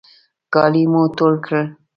کالي مو ټول کړل.